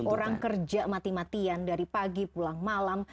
orang kerja mati matian dari pagi pulang malam